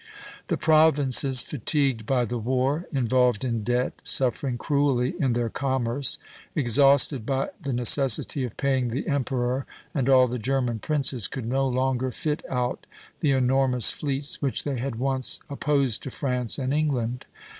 The Provinces, "fatigued by the war, involved in debt, suffering cruelly in their commerce, exhausted by the necessity of paying the emperor and all the German princes, could no longer fit out the enormous fleets which they had once opposed to France and England."